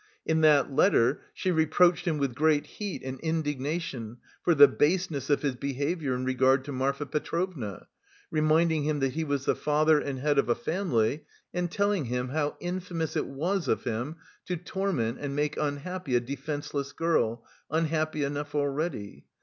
In that letter she reproached him with great heat and indignation for the baseness of his behaviour in regard to Marfa Petrovna, reminding him that he was the father and head of a family and telling him how infamous it was of him to torment and make unhappy a defenceless girl, unhappy enough already.